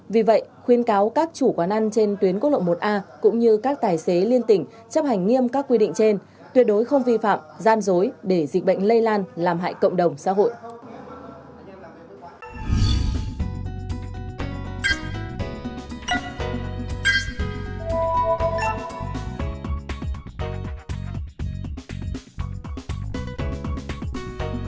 vì vậy khuyên cáo các chủ quán ăn trên tuyến cốt lộng một a cũng như các tài xế liên tỉnh chấp hành nghiêm các quy định trên tuyệt đối không vi phạm gian dối để dịch bệnh lây lan làm hại cộng đồng xã hội